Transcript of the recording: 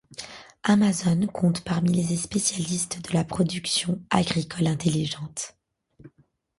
Amazone compte parmi les spécialistes de la production agricole intelligente.